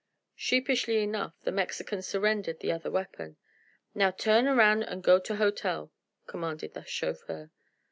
Sheepishly enough the Mexican surrendered the other weapon. "Now turn aroun' an' go to hotel," commanded the chauffeur.